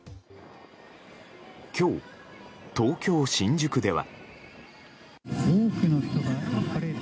今日、東京・新宿では。